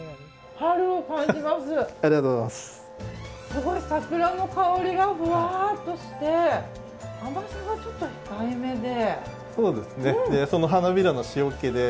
すごい桜の香りがふわっとして甘さがちょっと控えめで。